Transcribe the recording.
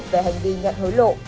về hành vi nhận hối lộ